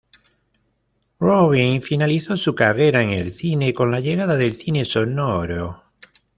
Robbins finalizó su carrera en el cine con la llegada del cine sonoro.